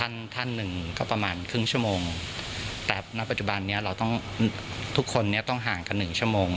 ในปัจจุบันนี้ทุกคนต้องห่างกัน๑ชั่วโมง